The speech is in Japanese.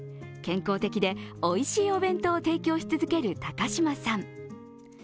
健康的でおいしいお弁当を提供し続ける高嶋さん。